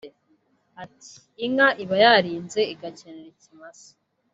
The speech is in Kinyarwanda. Ati “Inka iba yarinze igakenera ikimasa